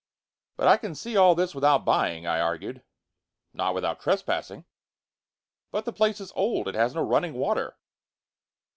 "But I can see all this without buying," I argued. "Not without trespassing." "But the place is old. It has no running water."